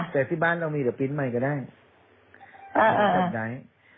แต่ที่บ้านเรามีเดี๋ยวปริ้นท์ใหม่ก็ได้